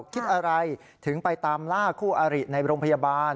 คิดอะไรถึงไปตามล่าคู่อาริในโรงพยาบาล